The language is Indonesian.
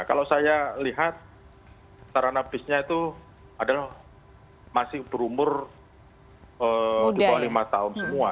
kalau saya lihat sarana bisnya itu adalah masih berumur di bawah lima tahun semua